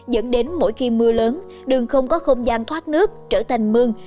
dẫn đến mỗi khi mưa lớn đường không có không gian thoát nước trở thành mương